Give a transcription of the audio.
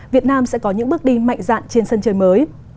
việt nam sẽ có những bước đi mạnh dạn trên sân chơi mới